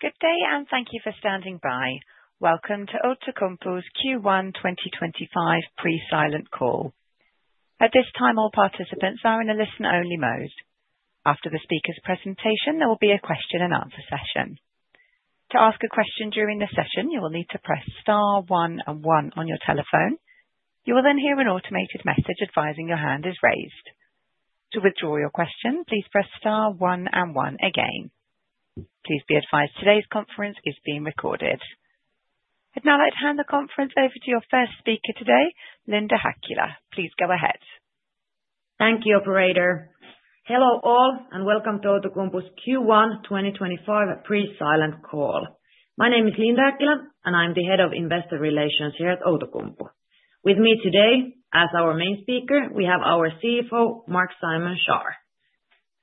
Good day, and thank you for standing by. Welcome to Outokumpu's Q1 2025 Pre-Silent Call. At this time, all participants are in a listen-only mode. After the speaker's presentation, there will be a question-and-answer session. To ask a question during the session, you will need to press star one and one on your telephone. You will then hear an automated message advising your hand is raised. To withdraw your question, please press star one and one again. Please be advised today's conference is being recorded. I'd now like to hand the conference over to your first speaker today, Linda Häkkilä. Please go ahead. Thank you, Operator. Hello all, and welcome to Outokumpu's Q1 2025 Pre-Silent Call. My name is Linda Häkkilä, and I'm the Head of Investor Relations here at Outokumpu. With me today, as our main speaker, we have our CFO, Marc-Simon Schaar.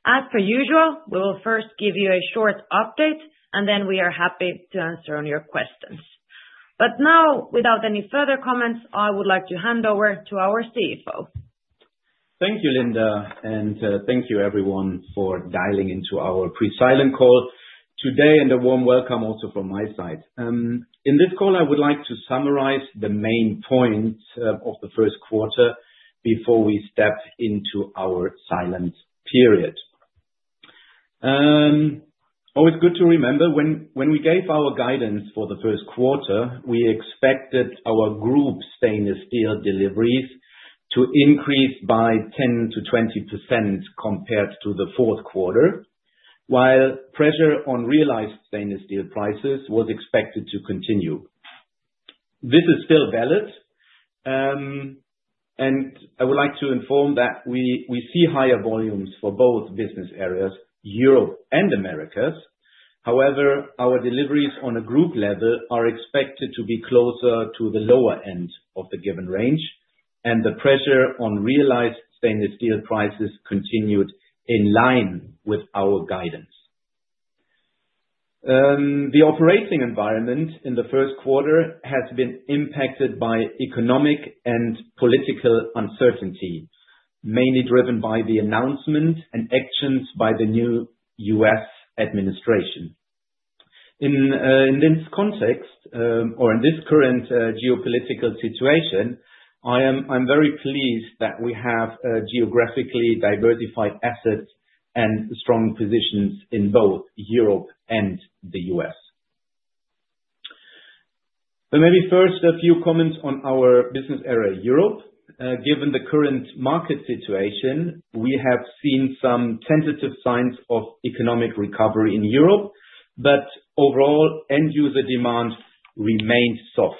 As per usual, we will first give you a short update, and then we are happy to answer your questions. Now, without any further comments, I would like to hand over to our CFO. Thank you, Linda, and thank you, everyone, for dialing into our Pre-Silent Call today, and a warm welcome also from my side. In this call, I would like to summarize the main points of the first quarter before we step into our silent period. Always good to remember, when we gave our guidance for the first quarter, we expected our group stainless steel deliveries to increase by 10-20% compared to the fourth quarter, while pressure on realized stainless steel prices was expected to continue. This is still valid, and I would like to inform that we see higher volumes for both business areas, Europe and Americas. However, our deliveries on a group level are expected to be closer to the lower end of the given range, and the pressure on realized stainless steel prices continued in line with our guidance. The operating environment in the first quarter has been impacted by economic and political uncertainty, mainly driven by the announcement and actions by the new US administration. In this context, or in this current geopolitical situation, I'm very pleased that we have geographically diversified assets and strong positions in both Europe and the U.S. Maybe first, a few comments on our business area Europe. Given the current market situation, we have seen some tentative signs of economic recovery in Europe, but overall, end-user demand remained soft.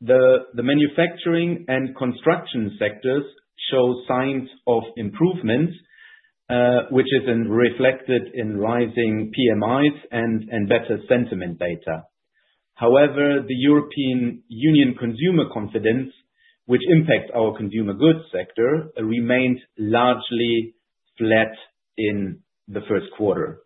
The manufacturing and construction sectors show signs of improvement, which is reflected in rising PMIs and better sentiment data. However, the European Union consumer confidence, which impacts our consumer goods sector, remained largely flat in the first quarter.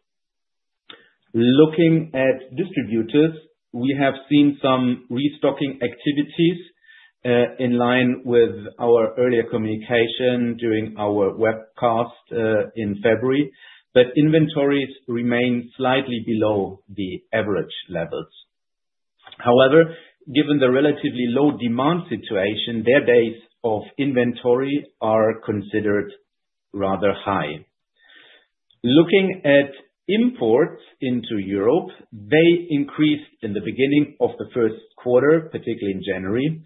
Looking at distributors, we have seen some restocking activities in line with our earlier communication during our webcast in February, but inventories remain slightly below the average levels. However, given the relatively low demand situation, their days of inventory are considered rather high. Looking at imports into Europe, they increased in the beginning of the first quarter, particularly in January,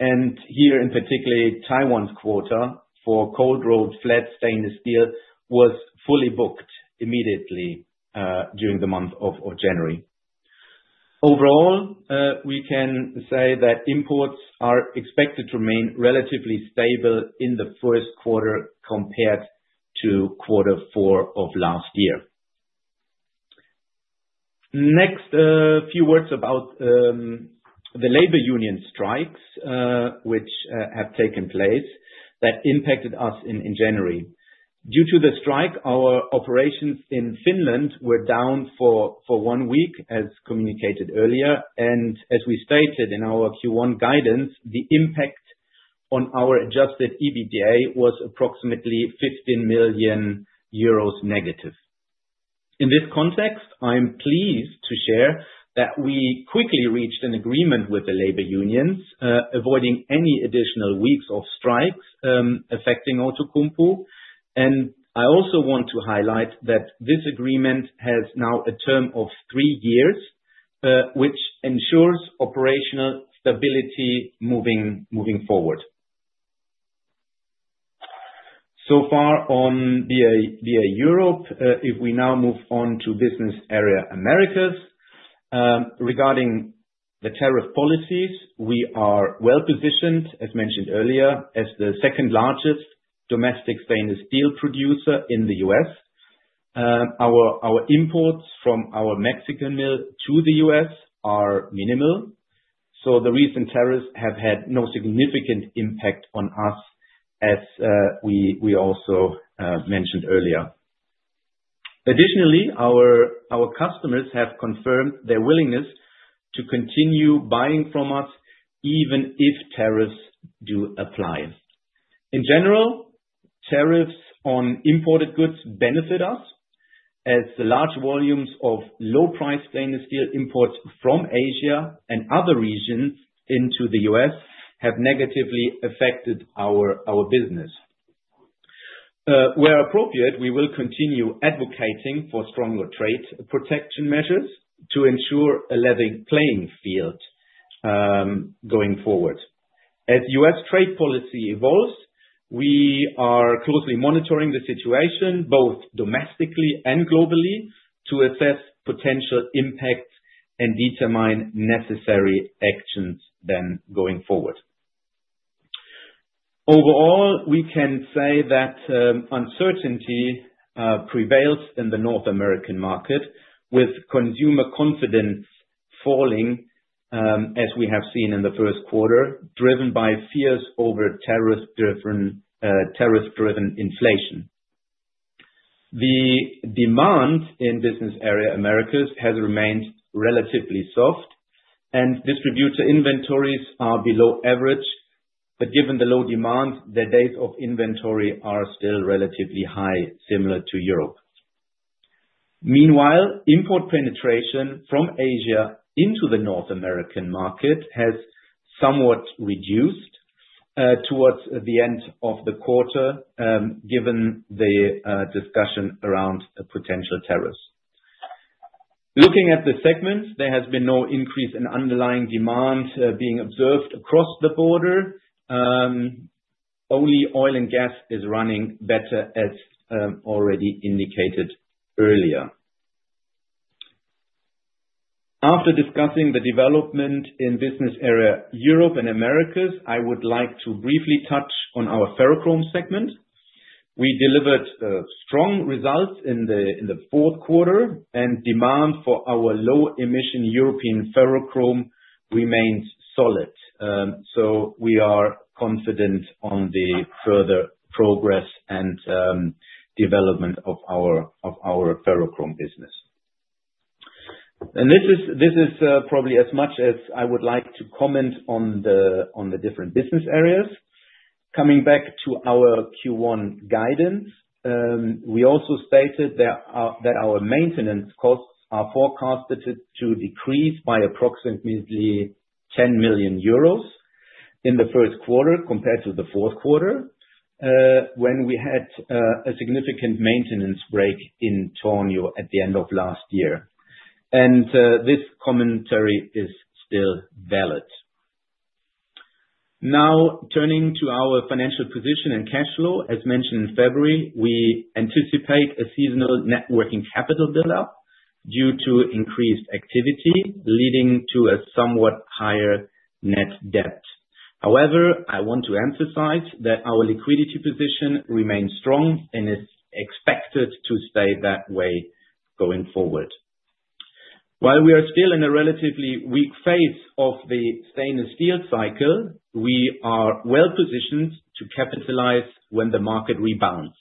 and here, in particular, Taiwan's quota for cold-rolled flat stainless steel was fully booked immediately during the month of January. Overall, we can say that imports are expected to remain relatively stable in the first quarter compared to quarter four of last year. Next, a few words about the labor union strikes, which have taken place that impacted us in January. Due to the strike, our operations in Finland were down for one week, as communicated earlier, and as we stated in our Q1 guidance, the impact on our adjusted EBITDA was approximately 15 million euros negative. In this context, I am pleased to share that we quickly reached an agreement with the labor unions, avoiding any additional weeks of strikes affecting Outokumpu. I also want to highlight that this agreement has now a term of three years, which ensures operational stability moving forward. Far on the Europe, if we now move on to business area Americas, regarding the tariff policies, we are well positioned, as mentioned earlier, as the second-largest domestic stainless steel producer in the U.S. Our imports from our Mexican mill to the U.S. are minimal, so the recent tariffs have had no significant impact on us, as we also mentioned earlier. Additionally, our customers have confirmed their willingness to continue buying from us even if tariffs do apply. In general, tariffs on imported goods benefit us, as the large volumes of low-priced stainless steel imports from Asia and other regions into the U.S. have negatively affected our business. Where appropriate, we will continue advocating for stronger trade protection measures to ensure a level playing field going forward. As U.S. trade policy evolves, we are closely monitoring the situation both domestically and globally to assess potential impacts and determine necessary actions going forward. Overall, we can say that uncertainty prevails in the North American market, with consumer confidence falling, as we have seen in the first quarter, driven by fears over tariff-driven inflation. The demand in business area Americas has remained relatively soft, and distributor inventories are below average, but given the low demand, their days of inventory are still relatively high, similar to Europe. Meanwhile, import penetration from Asia into the North American market has somewhat reduced towards the end of the quarter, given the discussion around potential tariffs. Looking at the segments, there has been no increase in underlying demand being observed across the border. Only oil and gas is running better, as already indicated earlier. After discussing the development in business area Europe and Americas, I would like to briefly touch on our ferrochrome segment. We delivered strong results in the fourth quarter, and demand for our low-emission European ferrochrome remains solid, so we are confident on the further progress and development of our ferrochrome business. This is probably as much as I would like to comment on the different business areas. Coming back to our Q1 guidance, we also stated that our maintenance costs are forecasted to decrease by approximately 10 million euros in the first quarter compared to the fourth quarter, when we had a significant maintenance break in Tornio at the end of last year. This commentary is still valid. Now, turning to our financial position and cash flow, as mentioned in February, we anticipate a seasonal net working capital build-up due to increased activity leading to a somewhat higher net debt. However, I want to emphasize that our liquidity position remains strong, and it is expected to stay that way going forward. While we are still in a relatively weak phase of the stainless steel cycle, we are well positioned to capitalize when the market rebounds.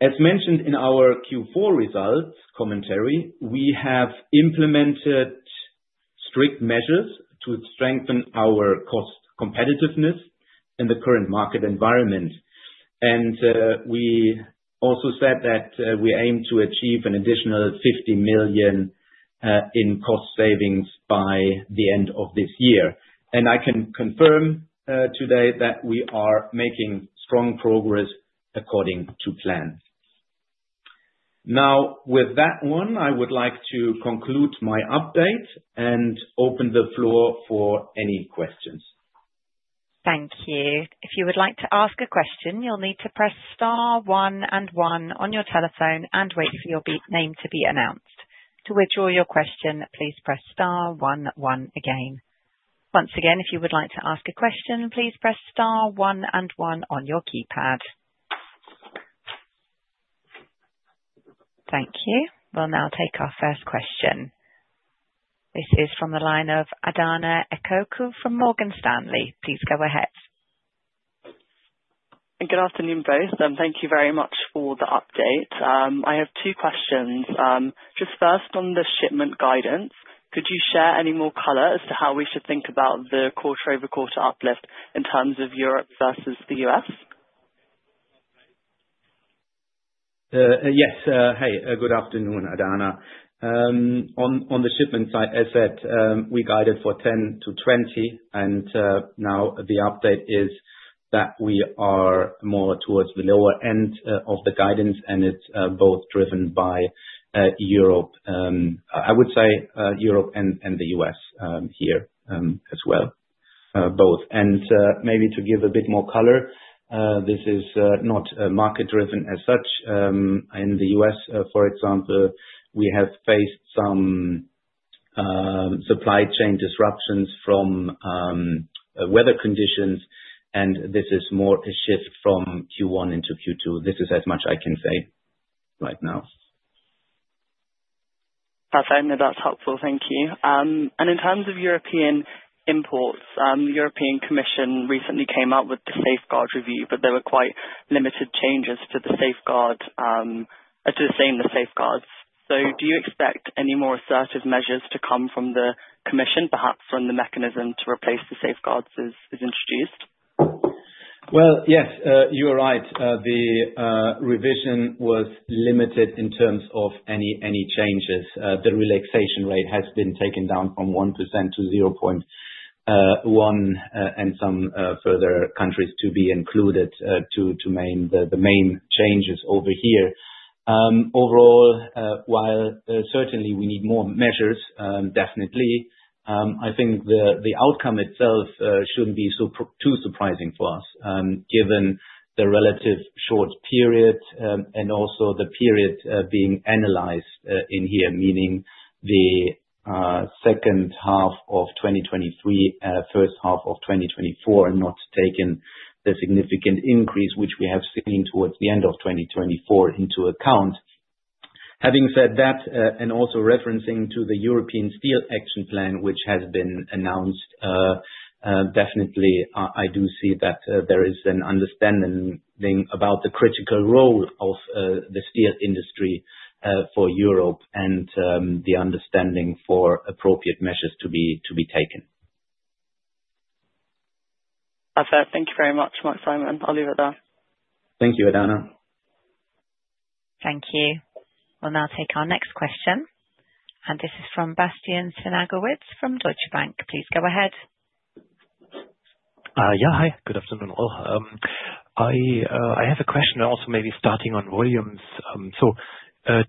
As mentioned in our Q4 results commentary, we have implemented strict measures to strengthen our cost competitiveness in the current market environment. We also said that we aim to achieve an additional 50 million in cost savings by the end of this year. I can confirm today that we are making strong progress according to plan. With that, I would like to conclude my update and open the floor for any questions. Thank you. If you would like to ask a question, you'll need to press star 1 and 1 on your telephone and wait for your name to be announced. To withdraw your question, please press star one and one again. Once again, if you would like to ask a question, please press star 1 and 1 on your keypad. Thank you. We'll now take our first question. This is from the line of Adanha Ekoku from Morgan Stanley. Please go ahead. Good afternoon, both, and thank you very much for the update. I have two questions. Just first, on the shipment guidance, could you share any more color as to how we should think about the quarter-over-quarter uplift in terms of Europe versus the U.S.? Yes. Hey, good afternoon, Adanha. On the shipment side, as said, we guided for 10-20, and now the update is that we are more towards the lower end of the guidance, and it is both driven by Europe. I would say Europe and the U.S. here as well. Both. Maybe to give a bit more color, this is not market-driven as such. In the U.S., for example, we have faced some supply chain disruptions from weather conditions, and this is more a shift from Q1 into Q2. This is as much I can say right now. Okay. No, that's helpful. Thank you. In terms of European imports, the European Commission recently came out with the safeguard review, but there were quite limited changes to the safeguards, to sustain the safeguards. Do you expect any more assertive measures to come from the Commission, perhaps when the mechanism to replace the safeguards is introduced? Yes, you are right. The revision was limited in terms of any changes. The relaxation rate has been taken down from 1% to 0.1% and some further countries to be included to name the main changes over here. Overall, while certainly we need more measures, definitely, I think the outcome itself should not be too surprising for us, given the relative short period and also the period being analyzed in here, meaning the second half of 2023, first half of 2024, and not taking the significant increase which we have seen towards the end of 2024 into account. Having said that, and also referencing to the European Steel Action Plan, which has been announced, definitely I do see that there is an understanding about the critical role of the steel industry for Europe and the understanding for appropriate measures to be taken. Okay. Thank you very much, Marc-Simon. I'll leave it there. Thank you, Adanha. Thank you. We will now take our next question. This is from Bastian Synagowitz from Deutsche Bank. Please go ahead. Yeah. Hi. Good afternoon all. I have a question also maybe starting on volumes.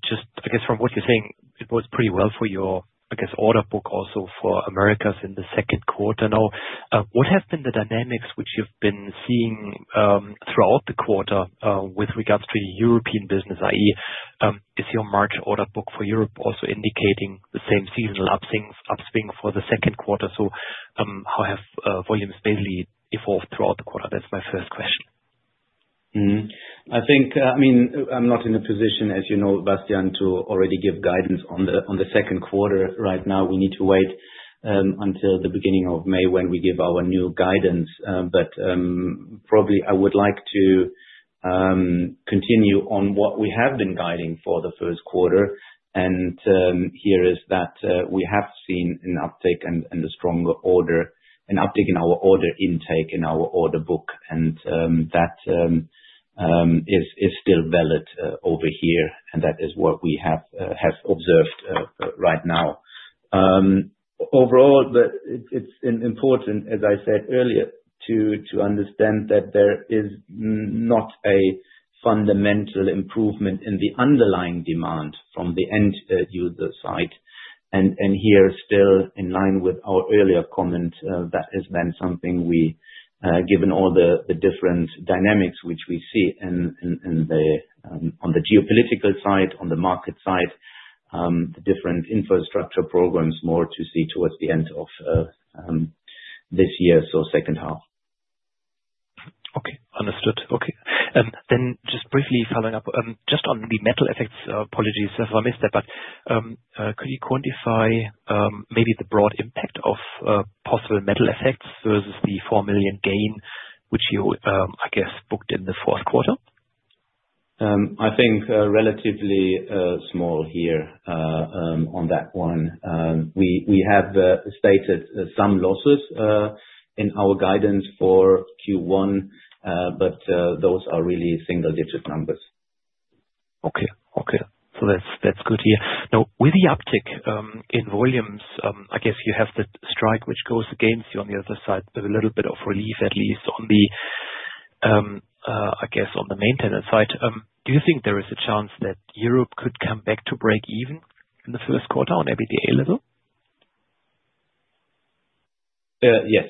Just, I guess, from what you're saying, it works pretty well for your, I guess, order book also for Americas in the second quarter. Now, what have been the dynamics which you've been seeing throughout the quarter with regards to the European business, i.e., is your March order book for Europe also indicating the same seasonal upswing for the second quarter? How have volumes basically evolved throughout the quarter? That's my first question. I mean, I'm not in a position, as you know, Bastian, to already give guidance on the second quarter. Right now, we need to wait until the beginning of May when we give our new guidance. Probably I would like to continue on what we have been guiding for the first quarter. Here is that we have seen an uptake and a stronger order, an uptake in our order intake in our order book, and that is still valid over here, and that is what we have observed right now. Overall, it's important, as I said earlier, to understand that there is not a fundamental improvement in the underlying demand from the end-user side. Here, still in line with our earlier comment, that has been something we, given all the different dynamics which we see on the geopolitical side, on the market side, the different infrastructure programs, more to see towards the end of this year, so second half. Okay. Understood. Okay. Just briefly following up just on the metal effects, apologies if I missed that, but could you quantify maybe the broad impact of possible metal effects versus the 4 million gain which you, I guess, booked in the fourth quarter? I think relatively small here on that one. We have stated some losses in our guidance for Q1, but those are really single-digit numbers. Okay. Okay. That's good here. Now, with the uptake in volumes, I guess you have the strike which goes against you on the other side, a little bit of relief at least on the, I guess, on the maintenance side. Do you think there is a chance that Europe could come back to break even in the first quarter on EBITDA level? Yes.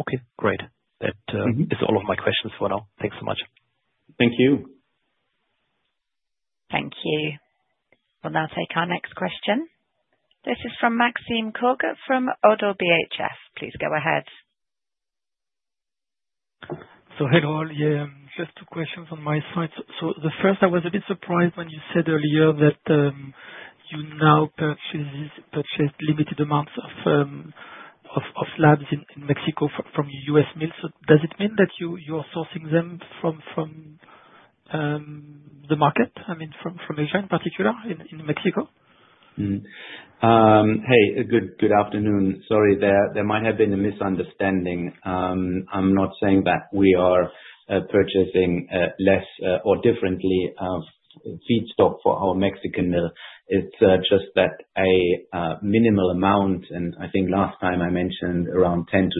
Okay. Great. That is all of my questions for now. Thanks so much. Thank you. Thank you. We'll now take our next question. This is from Maxime Kogge from ODDO BHF. Please go ahead. Hello all. Just two questions on my side. The first, I was a bit surprised when you said earlier that you now purchased limited amounts of slabs in Mexico from US mills. Does it mean that you are sourcing them from the market, I mean, from Asia in particular in Mexico? Hey, good afternoon. Sorry, there might have been a misunderstanding. I'm not saying that we are purchasing less or differently feedstock for our Mexican mill. It's just that a minimal amount, and I think last time I mentioned around 10-20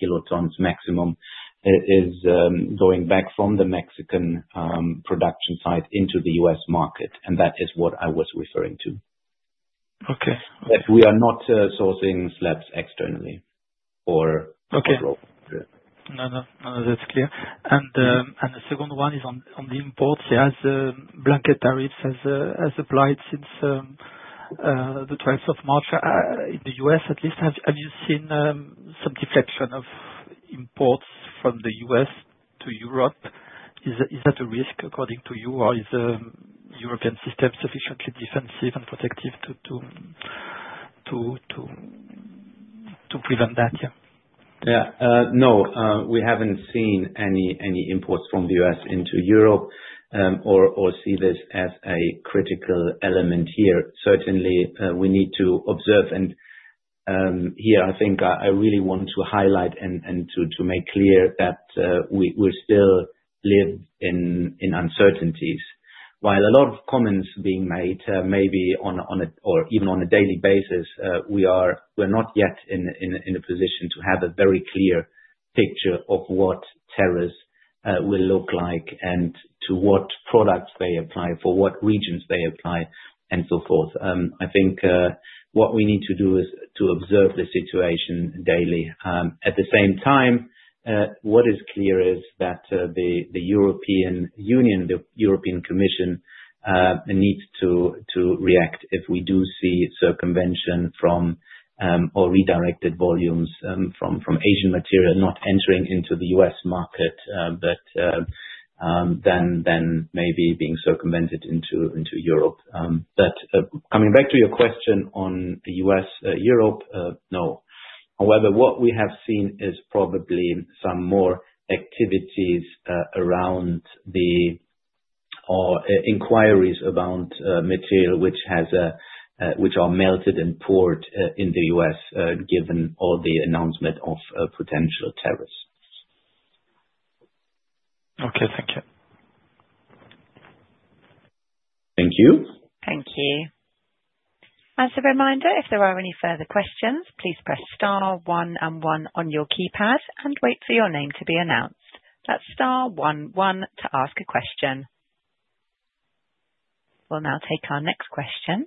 kilotons maximum, is going back from the Mexican production site into the U.S. market, and that is what I was referring to. Okay. We are not sourcing slabs externally or abroad. Okay. No, no. That's clear. The second one is on the imports. Yes, blanket tariffs have applied since the 12th of March in the U.S. at least. Have you seen some deflection of imports from the U.S. to Europe? Is that a risk according to you, or is the European system sufficiently defensive and protective to prevent that? Yeah. Yeah. No, we haven't seen any imports from the U.S. into Europe or see this as a critical element here. Certainly, we need to observe. I really want to highlight and to make clear that we still live in uncertainties. While a lot of comments being made maybe on it or even on a daily basis, we are not yet in a position to have a very clear picture of what tariffs will look like and to what products they apply, for what regions they apply, and so forth. I think what we need to do is to observe the situation daily. At the same time, what is clear is that the European Union, the European Commission, needs to react if we do see circumvention or redirected volumes from Asian material not entering into the U.S. market, but then maybe being circumvented into Europe. Coming back to your question on the U.S., Europe, no. However, what we have seen is probably some more activities around the inquiries around material which are melted and poured in the U.S., given all the announcement of potential tariffs. Okay. Thank you. Thank you. Thank you. As a reminder, if there are any further questions, please press star one and one on your keypad and wait for your name to be announced. That's star one one to ask a question. We'll now take our next question.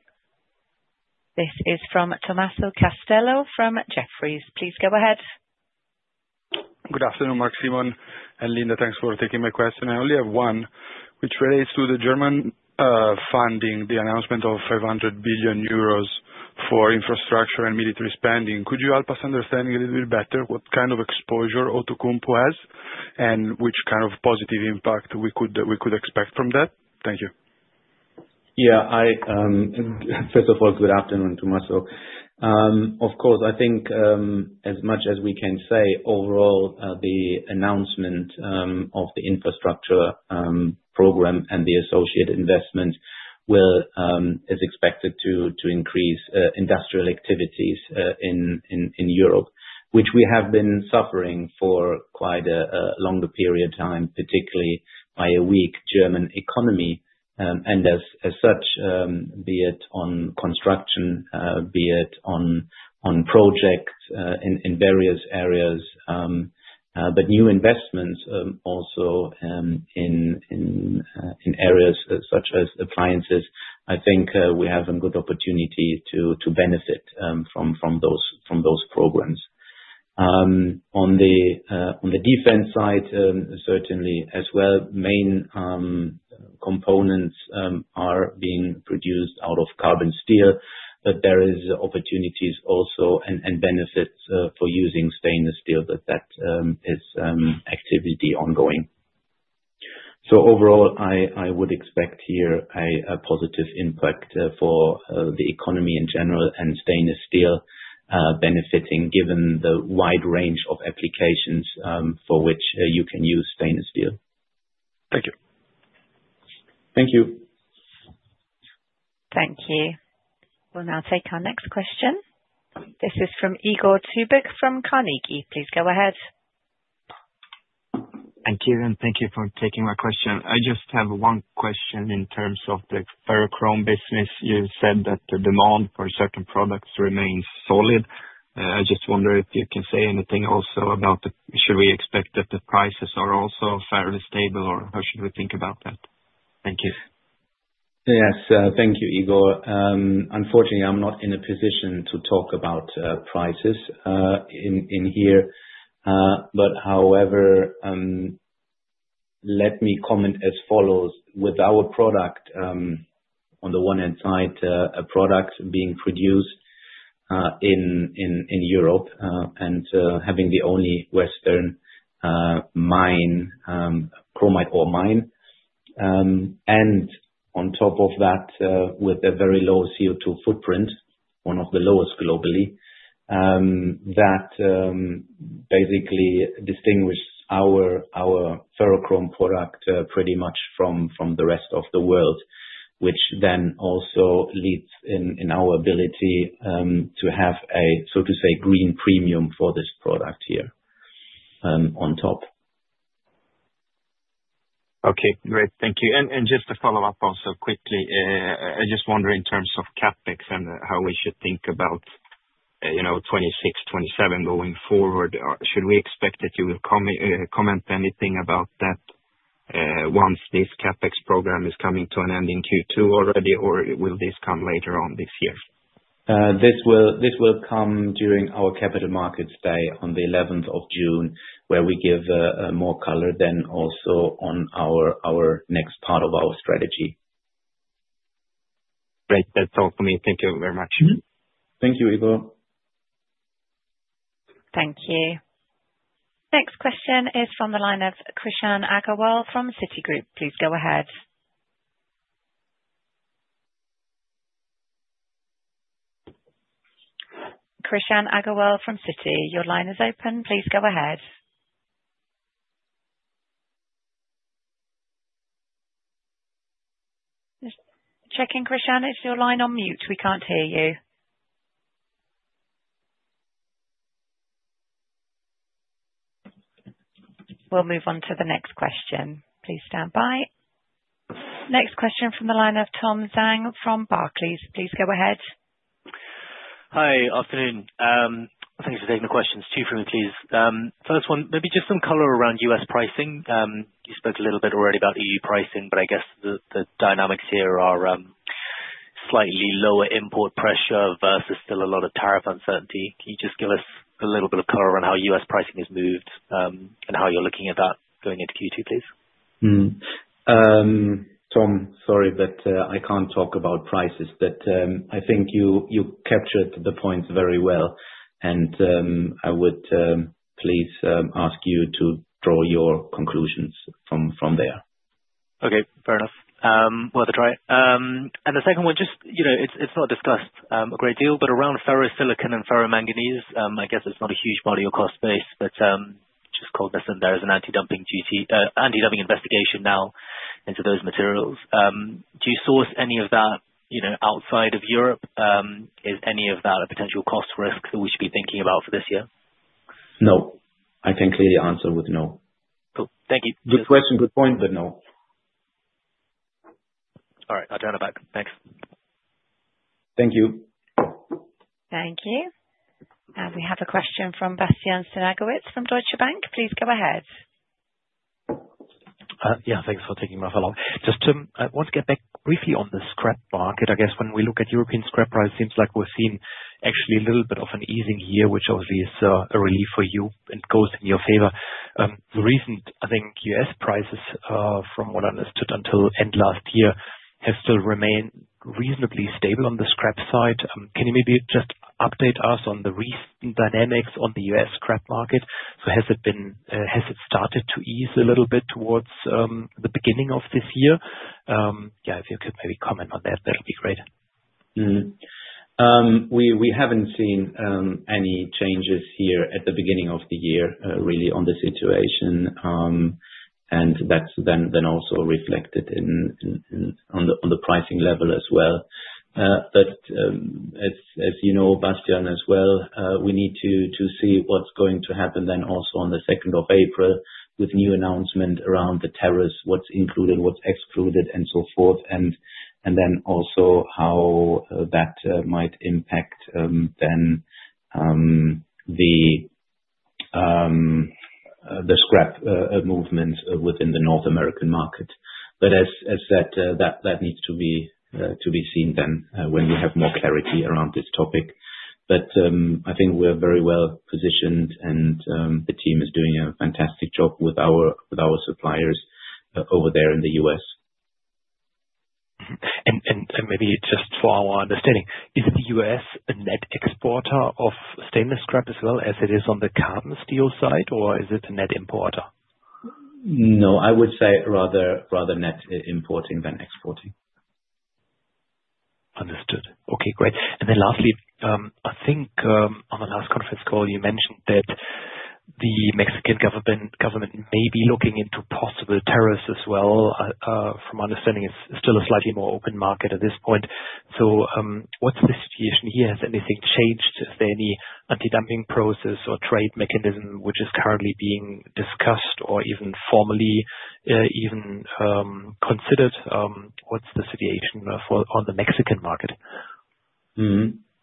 This is from Tommaso Castello from Jefferies. Please go ahead. Good afternoon, Maxime and Linda. Thanks for taking my question. I only have one, which relates to the German funding, the announcement of 500 billion euros for infrastructure and military spending. Could you help us understand a little bit better what kind of exposure Outokumpu has and which kind of positive impact we could expect from that? Thank you. Yeah. First of all, good afternoon, Tommaso. Of course, I think as much as we can say, overall, the announcement of the infrastructure program and the associated investment is expected to increase industrial activities in Europe, which we have been suffering for quite a longer period of time, particularly by a weak German economy. As such, be it on construction, be it on projects in various areas, but new investments also in areas such as appliances, I think we have a good opportunity to benefit from those programs. On the defense side, certainly as well, main components are being produced out of carbon steel, but there are opportunities also and benefits for using stainless steel, but that is activity ongoing. Overall, I would expect here a positive impact for the economy in general and stainless steel benefiting given the wide range of applications for which you can use stainless steel. Thank you. Thank you. Thank you. We'll now take our next question. This is from Igor Tubic from Carnegie. Please go ahead. Thank you. Thank you for taking my question. I just have one question in terms of the ferrochrome business. You said that the demand for certain products remains solid. I just wonder if you can say anything also about should we expect that the prices are also fairly stable, or how should we think about that? Thank you. Yes. Thank you, Igor. Unfortunately, I'm not in a position to talk about prices in here. However, let me comment as follows. With our product, on the one hand side, a product being produced in Europe and having the only Western chromite ore mine, and on top of that, with a very low CO2 footprint, one of the lowest globally, that basically distinguishes our ferrochrome product pretty much from the rest of the world, which then also leads in our ability to have a, so to say, green premium for this product here on top. Okay. Great. Thank you. Just to follow up also quickly, I just wonder in terms of CapEx and how we should think about 2026, 2027 going forward. Should we expect that you will comment anything about that once this CapEx program is coming to an end in Q2 already, or will this come later on this year? This will come during our Capital Markets Day on the 11th of June, where we give more color then also on our next part of our strategy. Great. That's all for me. Thank you very much. Thank you, Igor. Thank you. Next question is from the line of Krishan Agarwal from Citigroup. Please go ahead. Krishan Agarwal from Citi. Your line is open. Please go ahead. Checking, Christian, is your line on mute? We can't hear you. We'll move on to the next question. Please stand by. Next question from the line of Tom Zhang from Barclays. Please go ahead. Hi. Afternoon. Thanks for taking the questions too for me, please. First one, maybe just some color around US pricing. You spoke a little bit already about EU pricing, but I guess the dynamics here are slightly lower import pressure versus still a lot of tariff uncertainty. Can you just give us a little bit of color around how US pricing has moved and how you're looking at that going into Q2, please? Tom, sorry, but I can't talk about prices, but I think you captured the points very well. I would please ask you to draw your conclusions from there. Okay. Fair enough. Worth a try. The second one, just it's not discussed a great deal, but around ferrosilicon and ferromanganese, I guess it's not a huge part of your cost base, but just called this in. There is an anti-dumping investigation now into those materials. Do you source any of that outside of Europe? Is any of that a potential cost risk that we should be thinking about for this year? No. I can clearly answer with no. Cool. Thank you. Good question, good point, but no. All right. I'll turn it back. Thanks. Thank you. Thank you. We have a question from Bastian Synagowitz from Deutsche Bank. Please go ahead. Yeah. Thanks for taking my follow-up. Just want to get back briefly on the scrap market. I guess when we look at European scrap price, it seems like we've seen actually a little bit of an easing here, which obviously is a relief for you and goes in your favor. The recent, I think, U.S. prices, from what I understood until end last year, have still remained reasonably stable on the scrap side. Can you maybe just update us on the recent dynamics on the U.S. scrap market? Has it started to ease a little bit towards the beginning of this year? Yeah, if you could maybe comment on that, that would be great. We have not seen any changes here at the beginning of the year, really, on the situation. That is then also reflected on the pricing level as well. As you know, Bastian, as well, we need to see what is going to happen then also on the 2nd of April with new announcement around the tariffs, what is included, what is excluded, and so forth, and then also how that might impact then the scrap movements within the North American market. As said, that needs to be seen then when we have more clarity around this topic. I think we are very well positioned, and the team is doing a fantastic job with our suppliers over there in the U.S. Maybe just for our understanding, is the U.S. a net exporter of stainless scrap as well as it is on the carbon steel side, or is it a net importer? No. I would say rather net importing than exporting. Understood. Okay. Great. Lastly, I think on the last conference call, you mentioned that the Mexican government may be looking into possible tariffs as well. From my understanding, it is still a slightly more open market at this point. What is the situation here? Has anything changed? Is there any anti-dumping process or trade mechanism which is currently being discussed or even formally even considered? What is the situation on the Mexican market?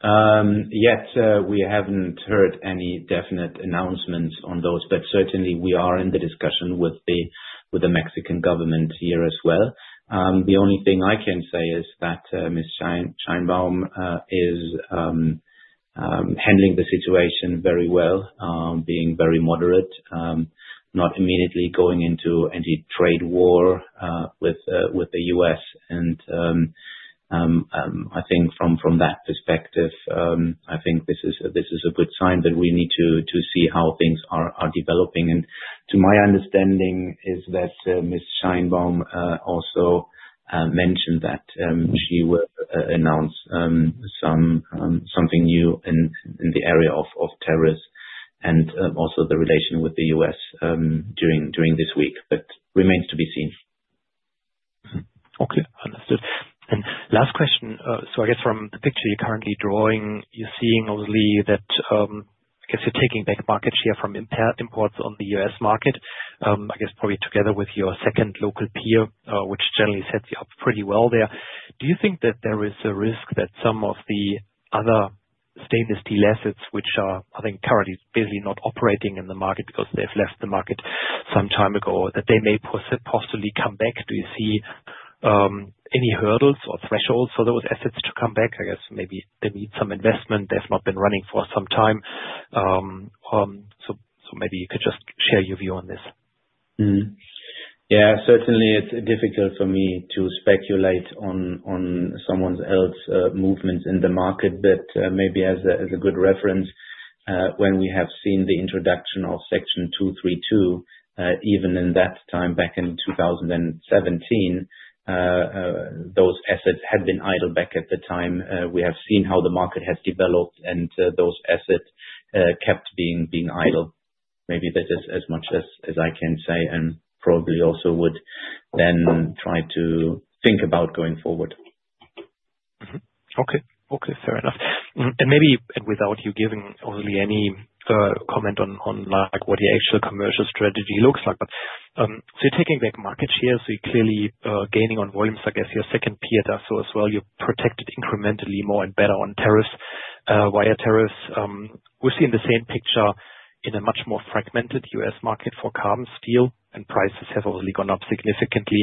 Yet, we have not heard any definite announcements on those, but certainly, we are in the discussion with the Mexican government here as well. The only thing I can say is that Ms. Sheinbaum is handling the situation very well, being very moderate, not immediately going into any trade war with the U.S. I think from that perspective, I think this is a good sign that we need to see how things are developing. To my understanding, Ms. Sheinbaum also mentioned that she will announce something new in the area of tariffs and also the relation with the U.S. during this week, but it remains to be seen. Okay. Understood. Last question. I guess from the picture you're currently drawing, you're seeing obviously that you're taking back market share from imports on the U.S. market, probably together with your second local peer, which generally sets you up pretty well there. Do you think that there is a risk that some of the other stainless steel assets, which are I think currently basically not operating in the market because they've left the market some time ago, may possibly come back? Do you see any hurdles or thresholds for those assets to come back? Maybe they need some investment. They've not been running for some time. Maybe you could just share your view on this. Yeah. Certainly, it's difficult for me to speculate on someone else's movements in the market, but maybe as a good reference, when we have seen the introduction of Section 232, even in that time back in 2017, those assets had been idle back at the time. We have seen how the market has developed, and those assets kept being idle. Maybe that is as much as I can say and probably also would then try to think about going forward. Okay. Fair enough. Maybe, without you giving obviously any comment on what your actual commercial strategy looks like, you are taking back market shares, so you are clearly gaining on volumes. I guess your second peer does so as well. You are protected incrementally more and better on tariffs, wire tariffs. We are seeing the same picture in a much more fragmented US market for carbon steel, and prices have obviously gone up significantly.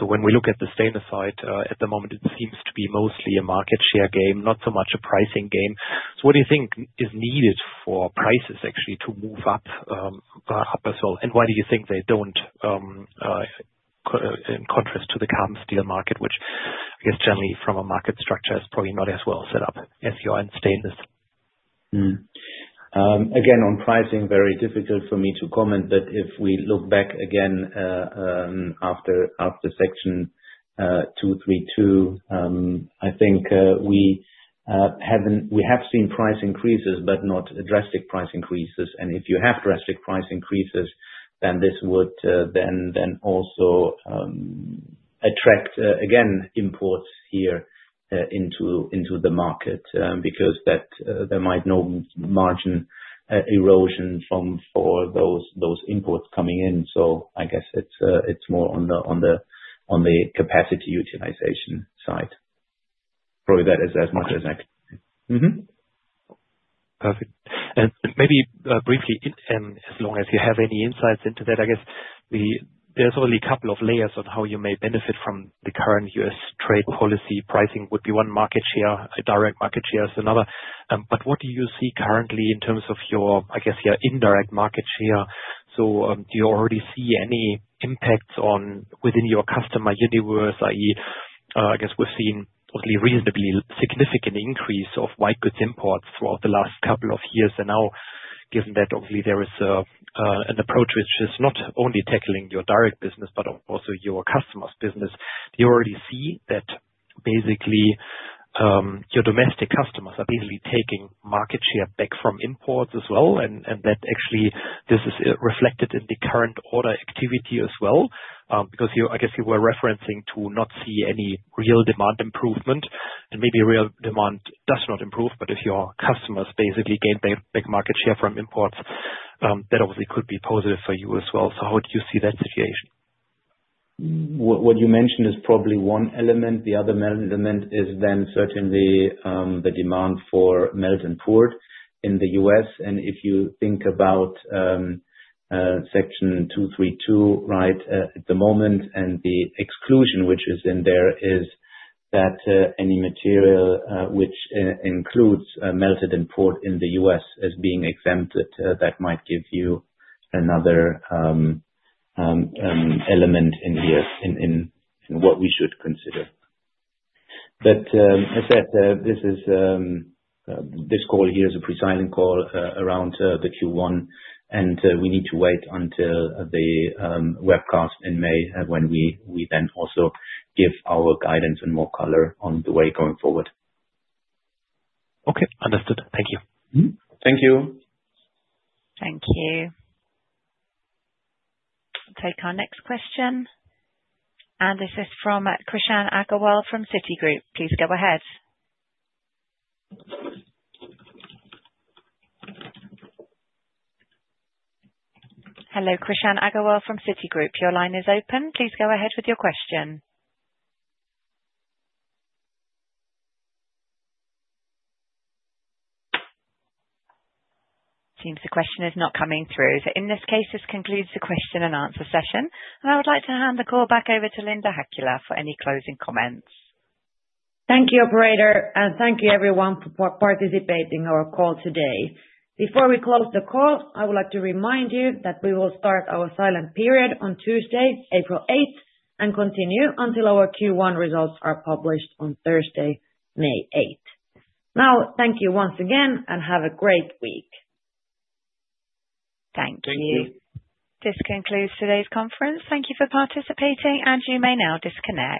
When we look at the stainless side, at the moment, it seems to be mostly a market share game, not so much a pricing game. What do you think is needed for prices actually to move up as well? Why do you think they do not in contrast to the carbon steel market, which I guess generally from a market structure is probably not as well set up as your stainless? Again, on pricing, very difficult for me to comment, but if we look back again after Section 232, I think we have seen price increases, but not drastic price increases. If you have drastic price increases, then this would then also attract, again, imports here into the market because there might be no margin erosion for those imports coming in. I guess it's more on the capacity utilization side. Probably that is as much as I can. Perfect. Maybe briefly, as long as you have any insights into that, I guess there are only a couple of layers on how you may benefit from the current U.S. trade policy. Pricing would be one, market share, direct market share is another. What do you see currently in terms of your, I guess, your indirect market share? Do you already see any impacts within your customer universe, i.e., I guess we have seen obviously reasonably significant increase of white goods imports throughout the last couple of years? Now, given that obviously there is an approach which is not only tackling your direct business, but also your customers' business, do you already see that basically your domestic customers are basically taking market share back from imports as well? That actually is reflected in the current order activity as well because I guess you were referencing to not see any real demand improvement. Maybe real demand does not improve, but if your customers basically gain back market share from imports, that obviously could be positive for you as well. How do you see that situation? What you mentioned is probably one element. The other element is then certainly the demand for melt and poured in the U.S. If you think about Section 232, right, at the moment, and the exclusion which is in there is that any material which includes melted import in the U.S. as being exempted, that might give you another element in here in what we should consider. As I said, this call here is a pre-silent call around the Q1, and we need to wait until the webcast in May when we then also give our guidance and more color on the way going forward. Okay. Understood. Thank you. Thank you. Thank you. Take our next question. This is from Krishan Agarwal from Citigroup. Please go ahead. Hello. Krishan Agarwal from Citigroup. Your line is open. Please go ahead with your question. Seems the question is not coming through. In this case, this concludes the question and answer session. I would like to hand the call back over to Linda Häkkilä for any closing comments. Thank you, operator. Thank you, everyone, for participating in our call today. Before we close the call, I would like to remind you that we will start our silent period on Tuesday, April 8, and continue until our Q1 results are published on Thursday, May 8. Thank you once again, and have a great week. Thank you. Thank you. This concludes today's conference. Thank you for participating, and you may now disconnect.